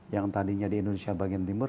yang tadinya di indonesia bagian timur